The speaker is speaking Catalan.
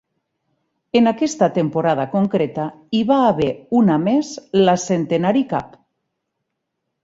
En aquesta temporada concreta, hi va haver una més, la Centenary Cup.